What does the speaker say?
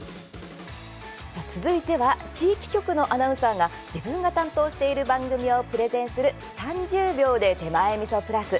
続いては地域局のアナウンサーが自分が担当している番組をプレゼンする「３０秒で手前みそプラス」。